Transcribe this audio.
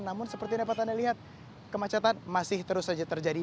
namun seperti yang dapat anda lihat kemacetan masih terus saja terjadi